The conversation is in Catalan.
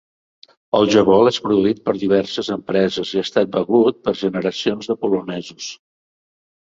El jabol és produït per diverses empreses i ha estat begut per generacions de polonesos.